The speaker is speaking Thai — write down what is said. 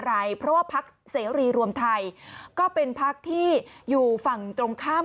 อะไรเพราะว่าพักเสรีรวมไทยก็เป็นพักที่อยู่ฝั่งตรงข้าม